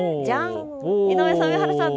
井上さん、上原さん